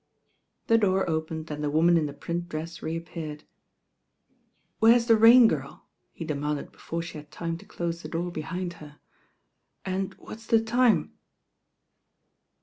The door opened and the woman in the print« dress reappeared. "Where's the Rain Girl?" he demanded before she had time to dose the door behind her, "and what's the time?